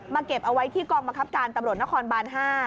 เก็บเอาไว้ที่กองบังคับการตำรวจนครบาน๕